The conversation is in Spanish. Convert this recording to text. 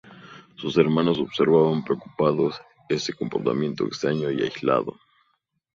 Sus hermanos observan preocupados este comportamiento extraño y aislado.